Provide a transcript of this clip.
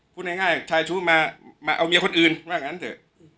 พูดง่ายชายชู้มาเอาเมียคนอื่นว่างั้นเถอะ